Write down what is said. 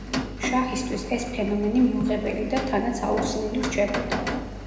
შაჰისთვის ეს ფენომენი მიუღებელი და თანაც აუხსნელი რჩებოდა.